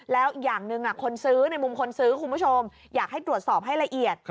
แล้วอย่างหนึ่งคนซื้อในมุมคนซื้อคุณผู้ชมอยากให้ตรวจสอบให้ละเอียด